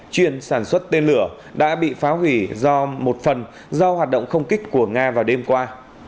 chuyên sản xuất tên lửa đã bị phá hủy do một phần do hoạt động không kích của nga vào đêm qua